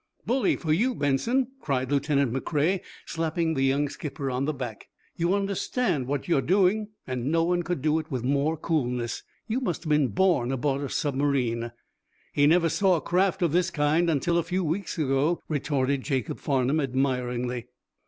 "Bully for you, Benson!" cried Lieutenant McCrea, slapping the young skipper on the back. "You understand what you're doing, and no one could do it with more coolness. You must have been born aboard a submarine." "He never saw a craft of this kind, until a few weeks ago," retorted Jacob Farnum admiringly.